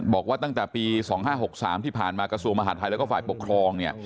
บอกว่าตั้งแต่ปี๒๕๖๓ที่ผ่านมากระทรวงมหาธัยและฝ่ายปกครอง